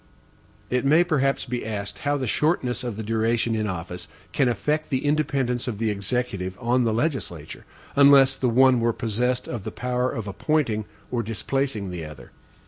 It may perhaps be asked, how the shortness of the duration in office can affect the independence of the Executive on the legislature, unless the one were possessed of the power of appointing or displacing the other.